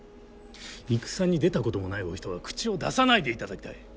戦に出たこともないお人が口を出さないでいただきたい。